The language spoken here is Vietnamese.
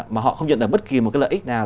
mà họ không nhận được bất kỳ một cái lợi ích nào